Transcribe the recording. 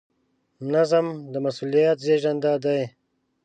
نظم د مسؤلیت زېږنده دی.